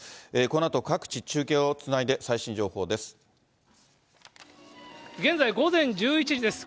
このあと、各地、中継をつないで、最新情報です。